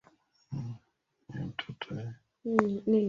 Wachambuzi na wakaazi waelezea matarajio yao katika utawala wa Rais Samia